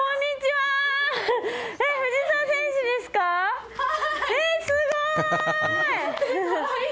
はい。